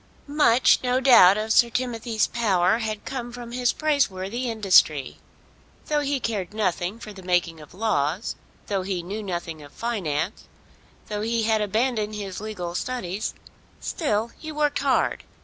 Much, no doubt, of Sir Timothy's power had come from his praiseworthy industry. Though he cared nothing for the making of laws, though he knew nothing of finance, though he had abandoned his legal studies, still he worked hard.